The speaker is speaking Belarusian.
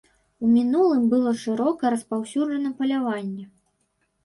У мінулым было шырока распаўсюджана паляванне.